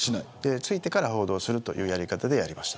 着いてから報道するというやり方でした。